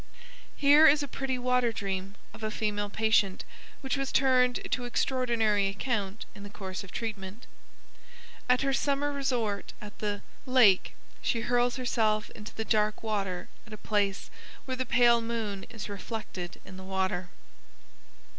"_ Here is a pretty water dream of a female patient, which was turned to extraordinary account in the course of treatment. _At her summer resort at the ... Lake, she hurls herself into the dark water at a place where the pale moon is reflected in the water.